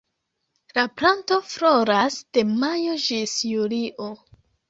La planto floras de majo ĝis julio.